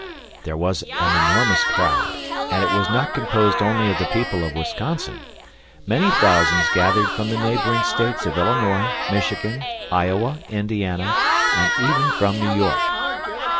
There was an enormous crowd; and it was not composed only of the people of Wisconsin. Many thousands gathered from the neighboring states of Illinois, Michigan, Iowa, Indiana, and even from New York.